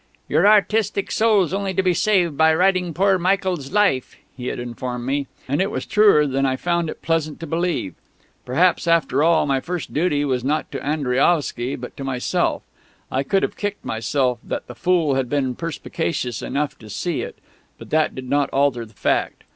"Your artistic soul's only to be saved by writing poor Michael's 'Life,'" he had informed me... and it was truer than I found it pleasant to believe. Perhaps, after all, my first duty was not to Andriaovsky, but to myself. I could have kicked myself that the fool had been perspicacious enough to see it, but that did not alter the fact.